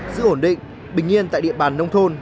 giữ ổn định bình yên tại địa bàn nông thôn